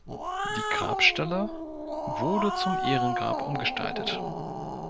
Die Grabstelle wurde zum Ehrengrab umgestaltet.